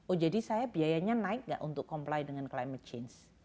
oh jadi saya biayanya naik nggak untuk comply dengan climate change